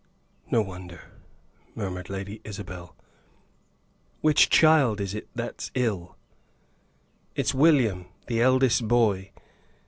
"No wonder," murmured Lady Isabel. "Which child is it that's ill?" "It's William, the eldest boy.